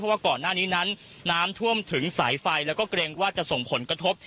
ว่าก่อนหน้านี้นั้นน้ำท่วมถึงสายไฟแล้วก็เกรงว่าจะส่งผลกระทบ